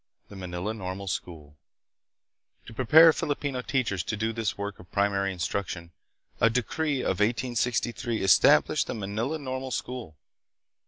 The Manila Normal School. To prepare Filipino teachers to do this work of primary instruction, a decree of 1863 established the Manila Normal School.